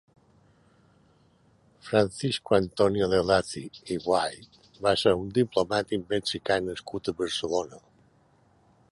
Francisco Antonio de Lacy i White va ser un diplomàtic mexicà nascut a Barcelona.